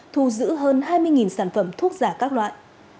thu giữ hơn hai mươi sản phẩm thuốc giả các loại